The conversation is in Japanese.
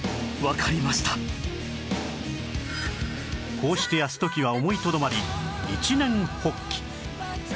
こうして泰時は思いとどまり一念発起！